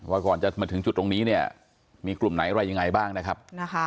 ก่อนจะมาถึงจุดตรงนี้เนี่ยมีกลุ่มไหนอะไรยังไงบ้างนะครับ